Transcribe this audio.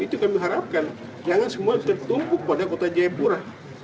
itu kami harapkan jangan semua tertumpuk pada kota jayapura